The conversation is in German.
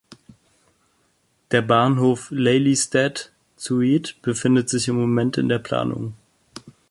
Der Bahnhof Lelystad Zuid befindet sich im Moment in der Planung.